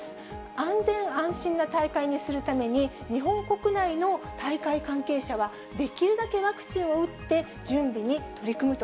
安全安心な大会にするために、日本国内の大会関係者は、できるだけワクチンを打って準備に取り組むと。